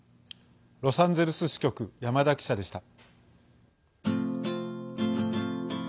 ロサンゼルス支局山田記者でした。